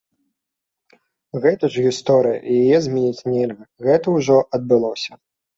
Гэта ж гісторыя, яе змяніць нельга, гэта ўжо адбылося!